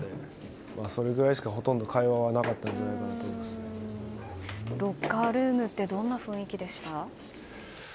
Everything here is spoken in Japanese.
それぐらいしかほとんど会話はなかったんじゃロッカールームってどんな雰囲気でした？